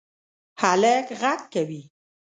هلک غږ کوی